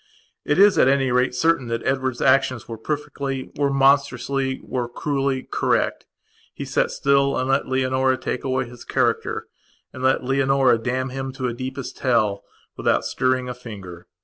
It is, at any rate, certain that Edward's actions were perfectlywere monstrously, were cruellycorrect. He sat still and let Leonora take away his character, and let Leonora damn him to deepest hell, without stirring a finger.